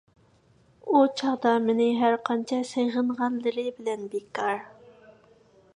ئۇ چاغدا مېنى ھەرقانچە سېغىنغانلىرى بىلەن بىكار.